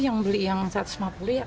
yang beli yang satu ratus lima puluh ya